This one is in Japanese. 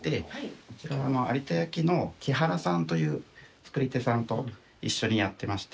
こちら有田焼のＫＩＨＡＲＡさんという作り手さんと一緒にやってまして。